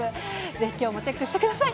きょうもチェックしてください。